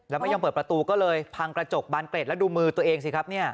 แล้วไม่ยอมเปิดประตูก็เลยพังกระจกบานเกร็ดแล้วดูมือตัวเองสิครับ